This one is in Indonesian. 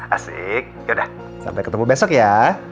asik yaudah sampai ketemu besok ya